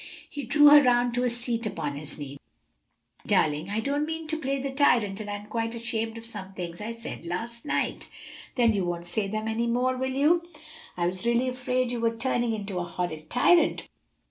He drew her round to a seat upon his knee. "Darling, I don't mean to play the tyrant, and am quite ashamed of some things I said last night." "Then you won't say them any more, will you? I was really afraid you were turning into a horrid tyrant.